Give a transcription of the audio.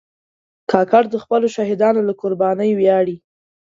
کاکړ د خپلو شهیدانو له قربانۍ ویاړي.